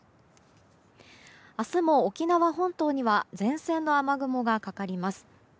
明日も沖縄本島には前線の雨雲がかかります。